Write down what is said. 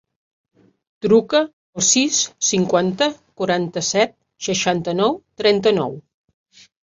Truca al sis, cinquanta, quaranta-set, seixanta-nou, trenta-nou.